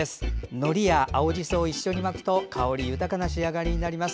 のりや青じそを一緒に巻くと香り豊かな仕上がりになります。